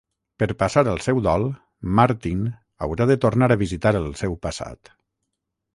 Per passar el seu dol, Martin haurà de tornar a visitar el seu passat.